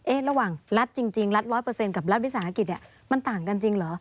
ระหว่างรัฐจริงรัฐ๑๐๐กับรัฐวิสาหกิจเนี่ยมันต่างกันจริงเหรอ